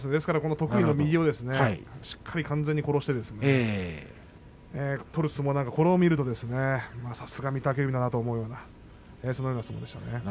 得意の右をしっかりと完全に殺して取る相撲なんてこれを見るとさすが御嶽海だなという相撲でしたね。